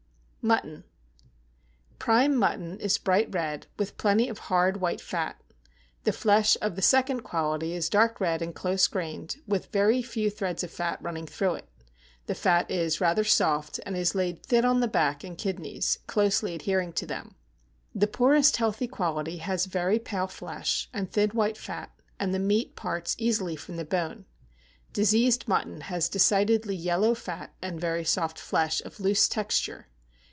=Mutton.= Prime mutton is bright red, with plenty of hard, white fat. The flesh of the second quality is dark red and close grained, with very few threads of fat running through it; the fat is rather soft, and is laid thin on the back and kidneys, closely adhering to them. The poorest healthy quality has very pale flesh, and thin white fat, and the meat parts easily from the bone. Diseased mutton has decidedly yellow fat, and very soft flesh, of loose texture.